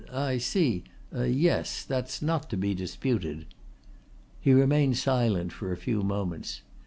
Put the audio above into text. "I see. Yes. That's not to be disputed." He remained silent for a few moments.